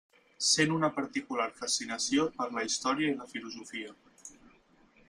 Sent una particular fascinació per la història i la filosofia.